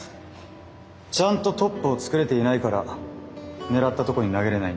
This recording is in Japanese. ちゃんとトップを作れていないから狙ったとこに投げれないんだ。